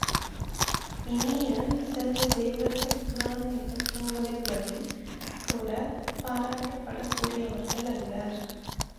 இனிய செல்வ, தேவர்கள் புராண இலக்கியங்களின்படி கூடப் பாராட்டப்படக் கூடியவர்கள் அல்லர்.